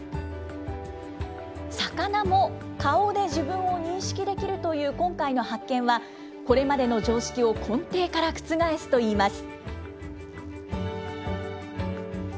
魚も顔で自分を認識できるという今回の発見は、これまでの常識を根底から覆すといいます。